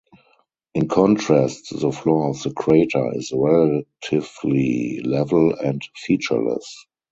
In contrast the floor of the crater is relatively level and featureless.